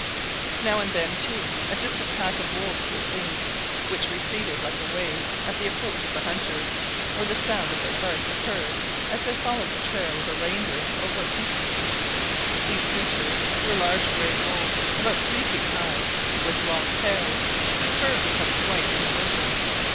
Now and then, too, a distant pack of wolves was seen, which receded like a wave at the approach of the hunters, or the sound of their bark was heard as they followed the trail of a reindeer or wapiti. These creatures were large grey wolves, about three feet high, with long tails, whose fur becomes white in the winter.